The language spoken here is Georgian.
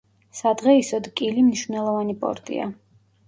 სადღეისოდ კილი მნიშვნელოვანი პორტია.